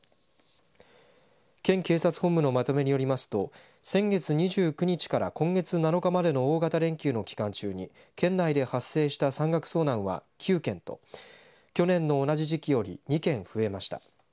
県警察本部のまとめによりますと先月２９日から今月７日までの大型連休の期間中に県内で発生した山岳遭難は９件と去年の同じ時期より２件増えました。